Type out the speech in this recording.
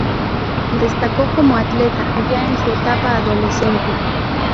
Destacó como atleta ya en su etapa adolescente.